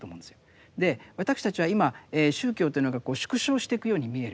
私たちは今宗教というのがこう縮小していくように見える。